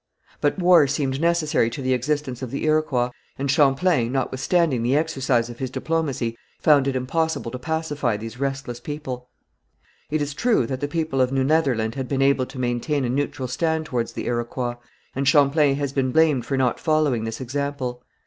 But war seemed necessary to the existence of the Iroquois, and Champlain, notwithstanding the exercise of his diplomacy, found it impossible to pacify these restless people. It is true that the people of New Netherland had been able to maintain a neutral stand towards the Iroquois, and Champlain has been blamed for not following this example.